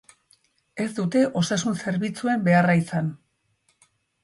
Ez dute osasun-zerbitzuen beharra izan.